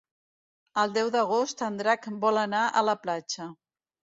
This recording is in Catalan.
El deu d'agost en Drac vol anar a la platja.